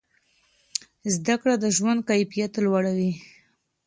زده کړه د ژوند کیفیت لوړوي.